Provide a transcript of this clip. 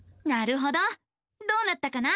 どうなったかな？